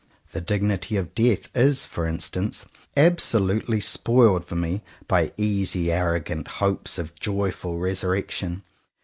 The dignity of death is, for instance, absolutely spoiled for me by easy arrogant hopes of joyful resurrections.